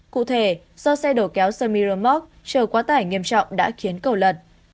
cụ thể do xe đổ kéo semi remote trở quá tải nghiêm trọng đã khiến cầu lật